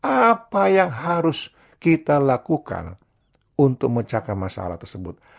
apa yang harus kita lakukan untuk mencakar masalah tersebut